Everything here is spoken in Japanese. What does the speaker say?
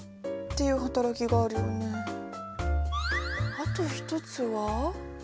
あと一つは？